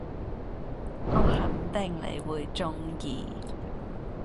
我肯定你會鍾意